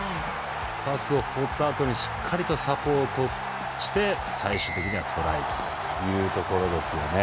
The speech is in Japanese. パスを放ったあとにしっかりとサポートして最終的にはトライというところですよね。